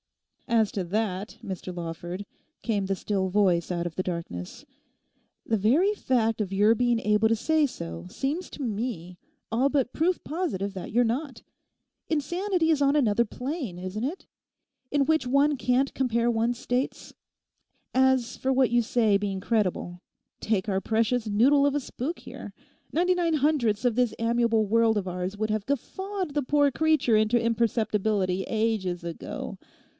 'As to that, Mr Lawford,' came the still voice out of the darkness; 'the very fact of your being able to say so seems to me all but proof positive that you're not. Insanity is on another plane, isn't it? in which one can't compare one's states. As for what you say being credible, take our precious noodle of a spook here! Ninety nine hundredths of this amiable world of ours would have guffawed the poor creature into imperceptibility ages ago.